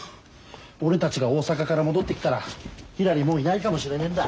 俺たちが大阪から戻ってきたらひらりもういないかもしれねえんだ。